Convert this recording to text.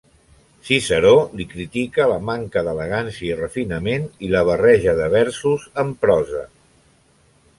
Ciceró li critica la manca d'elegància i refinament i la barreja de versos amb prosa.